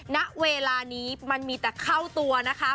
ณเวลานี้มันมีแต่เข้าตัวนะคะ